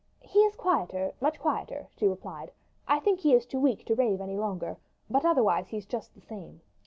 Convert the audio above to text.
"He is quieter, much quieter," she replied. "I think he is too weak to rave any longer; but otherwise he's just the same.